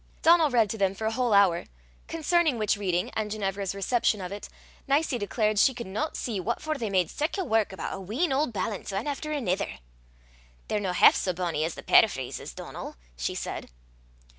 Donal read to them for a whole hour, concerning which reading, and Ginevra's reception of it, Nicie declared she could not see what for they made sic a wark aboot a wheen auld ballants, ane efter anither. "They're no half sae bonnie as the paraphrases, Donal," she said.